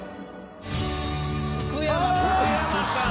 福山さん！